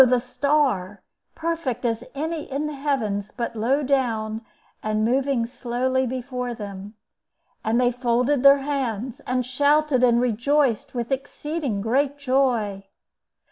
the star, perfect as any in the heavens, but low down and moving slowly before them. And they folded their hands, and shouted, and rejoiced with exceeding great joy.